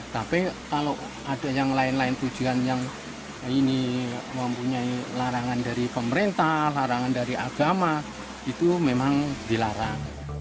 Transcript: tapi kalau ada yang lain lain tujuan yang ini mempunyai larangan dari pemerintah larangan dari agama itu memang dilarang